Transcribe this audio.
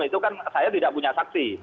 itu kan saya tidak punya saksi